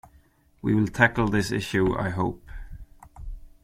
We will tackle this issue, I hope.